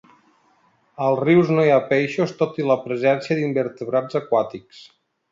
Als rius no hi ha peixos tot i la presència d'invertebrats aquàtics.